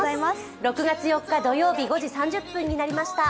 ６月４日土曜日、５時３０分になりました。